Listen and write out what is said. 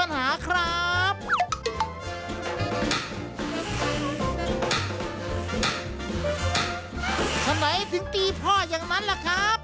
ไหนถึงตีพ่ออย่างนั้นล่ะครับ